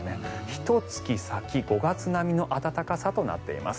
ひと月先、５月並みの暖かさとなっています。